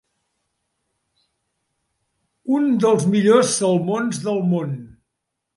Un dels millors salmons del món.